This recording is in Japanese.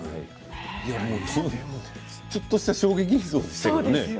ちょっとした衝撃映像でしたよね。